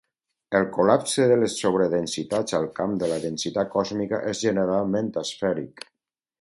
El col·lapse de les sobredensitats al camp de la densitat còsmica és generalment asfèric.